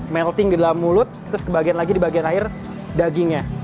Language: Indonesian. melting di dalam mulut terus ke bagian lagi di bagian akhir dagingnya